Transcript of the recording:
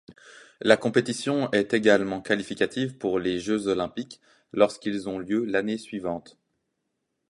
La compétition est également qualificative pour les jeux olympiques lorsqu'ils ont lieu l'année suivante.